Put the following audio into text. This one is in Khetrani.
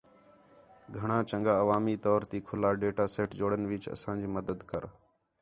گھݨاں چَنڳا، عوامی طور تی کُھلّا ڈیٹا سیٹ جوڑݨ وِچ اَساں جی مدد کر